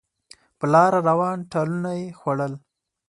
په لاره روان ټالونه یې خوړل